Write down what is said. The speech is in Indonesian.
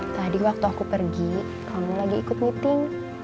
tadi waktu aku pergi kamu lagi ikut meeting